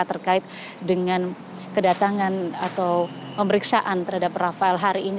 terkait dengan kedatangan atau pemeriksaan terhadap rafael hari ini